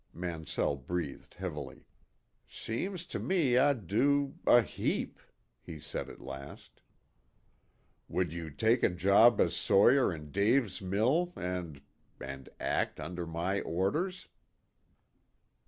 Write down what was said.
Mansell breathed heavily. "Seems to me I'd do a heap," he said at last. "Would you take a job as sawyer in Dave's mill, and and act under my orders?"